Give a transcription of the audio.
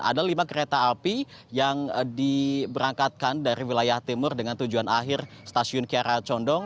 ada lima kereta api yang diberangkatkan dari wilayah timur dengan tujuan akhir stasiun kiara condong